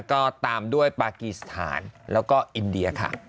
ก็ตามด้วยปากีสถานแล้วก็อินเดียค่ะ